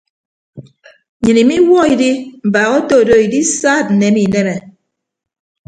Nnyịn imiwuọ idi mbaak otodo idisaad nneme ineme.